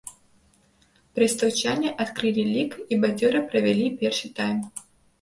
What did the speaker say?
Брэстаўчане адкрылі лік і бадзёра правялі першы тайм.